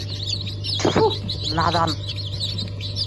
Тфү, наҙан!